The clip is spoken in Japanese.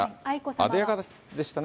あでやかでしたね。